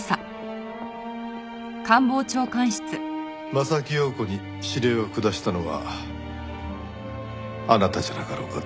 柾庸子に指令を下したのはあなたじゃなかろうかって。